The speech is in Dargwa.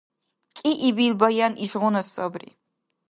КӀиибил баян ишгъуна сабри.